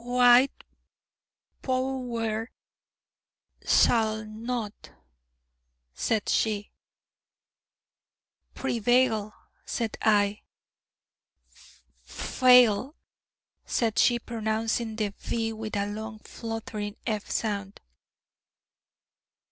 'Hwhite Pow wer sall not,' said she. 'Prevail,' said I. 'Fffail,' said she, pronouncing the 'v' with a long fluttering 'f' sound.